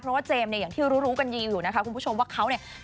เพราะว่าเจมส์เนี่ยอย่างที่รู้รู้กันดีอยู่นะคะคุณผู้ชมว่าเขาเนี่ย